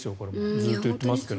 ずっと言ってますけど。